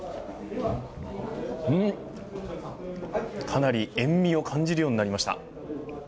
かなり塩味を感じるようになりました。